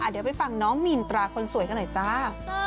เดี๋ยวไปฟังน้องมีนตราคนสวยกันหน่อยจ้า